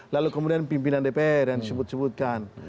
lalu kemudian pimpinan dpr yang disebut sebutkan